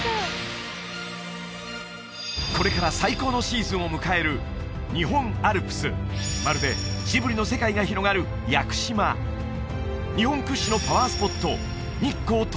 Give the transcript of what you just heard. これから最高のシーズンを迎えるまるでジブリの世界が広がる日本屈指のパワースポット